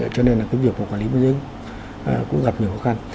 cho nên là cái việc của quản lý biên giới cũng gặp nhiều khó khăn